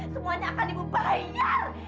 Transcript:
semuanya akan ibu bayar